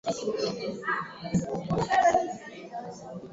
Weka viazi na maji